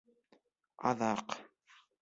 Аҙаҡ...